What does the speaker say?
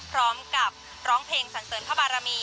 พร้อมกับร้องเพลงสันเสริญพระบารมี